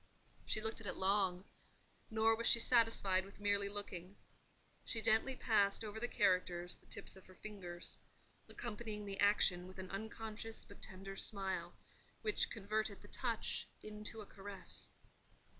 She looked at it long; nor was she satisfied with merely looking: she gently passed over the characters the tips of her fingers, accompanying the action with an unconscious but tender smile, which converted the touch into a caress.